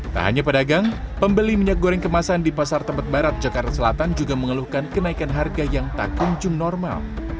tak hanya pedagang pembeli minyak goreng kemasan di pasar tebet barat jakarta selatan juga mengeluhkan kenaikan harga yang tak kunjung normal